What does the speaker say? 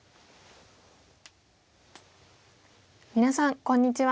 皆さんこんにちは。